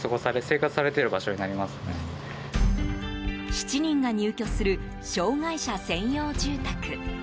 ７人が入居する障害者専用住宅。